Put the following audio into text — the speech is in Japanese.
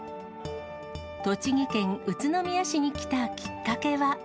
栃木県宇都宮市に来たきっかけは。